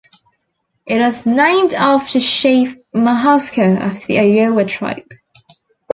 It was named after Chief Mahaska of the Iowa tribe.